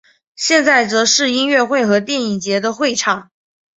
现在则是音乐会和电影节的会场。